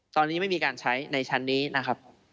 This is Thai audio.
ตอนนี้ไม่มีการใช้ในชั้นนี้นะครับ